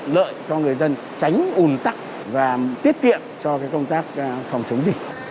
lợi cho người dân tránh ùn tắc và tiết kiệm cho công tác phòng chống dịch